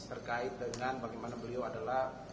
terkait dengan bagaimana beliau adalah